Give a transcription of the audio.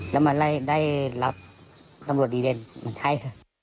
แล้วมันได้รับตำรวจดีเบนมันใช่ค่ะ